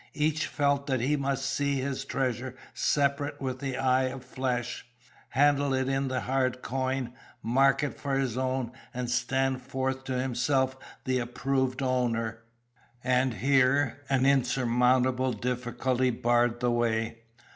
Each felt that he must see his treasure separate with the eye of flesh, handle it in the hard coin, mark it for his own, and stand forth to himself the approved owner. And here an insurmountable difficulty barred the way.